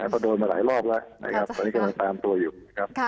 พอโดนมาหลายรอบแล้วตอนนี้กำลังตามตัวอยู่ครับ